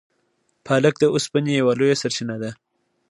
پالک د اوسپنې یوه لویه سرچینه ده.